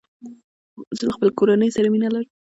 زه له خپلې کورني سره مینه لرم.